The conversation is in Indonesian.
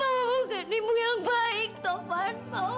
mama bukan ibu yang baik taufan